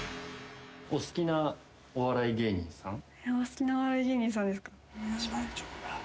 お好きなお笑い芸人さんですか？